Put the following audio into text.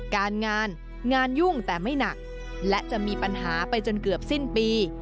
การงานงานยุ่งแต่ไม่หนักและจะมีปัญหาไปจนเกือบสิ้นปี